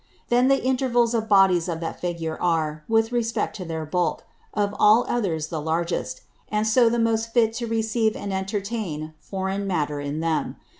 Then the Intervals of Bodies of that Figure are, with respect to their Bulk, of all others the largest; and so the most fitted to receive and entertain foreign Matter in them.